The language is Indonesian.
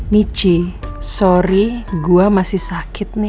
michi sorry gue masih sakit nih